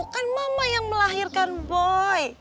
kan mama yang melahirkan boy